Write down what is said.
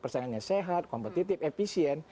persaingannya sehat kompetitif efisien